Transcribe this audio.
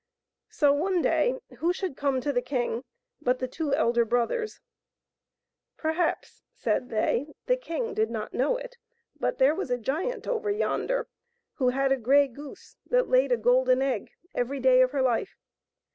So, one day, who should come to the king but the two elder brothers. Perhaps, said they, the king did not know it, but there was a giant over yonder who had a grey goose that laid a golden egg every day of her life.